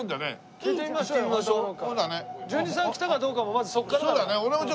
純次さん来たかどうかもまずそこからだもん。